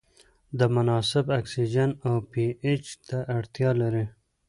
د مناسب اکسیجن او پي اچ ته اړتیا لري.